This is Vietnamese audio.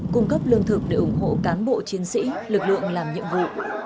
cung cấp lương thực để ủng hộ cán bộ chiến sĩ lực lượng làm nhiệm vụ